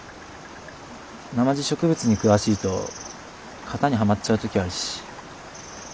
なまじ植物に詳しいと型にはまっちゃう時あるし。